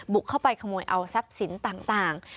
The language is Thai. เข้าไปขโมยเอาทรัพย์สินต่าง